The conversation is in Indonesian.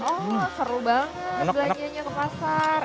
oh seru banget belanjanya ke pasar